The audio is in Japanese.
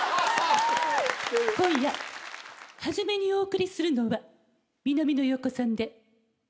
今夜初めにお送りするのは南野陽子さんで。